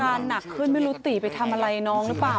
หนักขึ้นไม่รู้ตีไปทำอะไรน้องหรือเปล่า